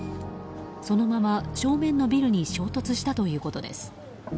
そのまま正面のビルに衝突したということです。